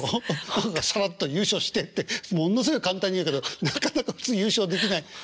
何かサラッと「優勝して」ってものすごい簡単に言うけどなかなか普通優勝できない。